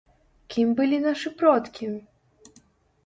Кім былі нашы продкі?